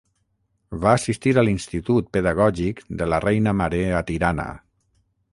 Va assistir a l'Institut Pedagògic de la Reina Mare a Tirana.